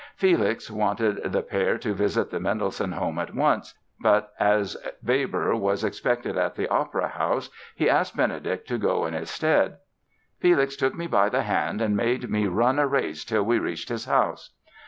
Felix wanted the pair to visit the Mendelssohn home at once, but as Weber was expected at the opera house he asked Benedict to go in his stead. "Felix took me by the hand and made me run a race till we reached his house.